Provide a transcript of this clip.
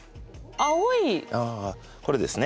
ああこれですね。